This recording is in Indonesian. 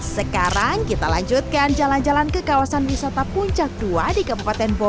sekarang kita lanjutkan jalan jalan ke kawasan wisata puncak dua di kabupaten bogor